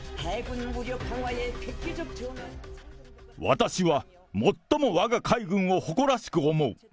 私は最もわが海軍を誇らしく思う。